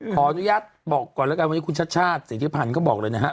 ขออนุญาตบอกก่อนละกันว่าวันนี้คุณชัชชาธิ์ศรีธิพันธ์ก็บอกเลยนะฮะ